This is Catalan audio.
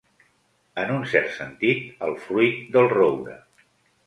En un cert sentit, el fruit del roure.